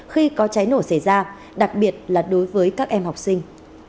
khi có cháy nổ xảy ra đặc biệt là đối với các em học sinh